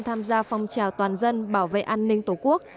tham gia phong trào toàn dân bảo vệ an ninh tổ quốc